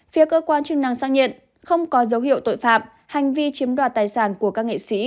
phía cơ quan chức năng xác nhận không có dấu hiệu tội phạm hành vi chiếm đoạt tài sản của các nghệ sĩ